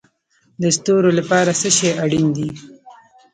د ستورو لپاره څه شی اړین دی؟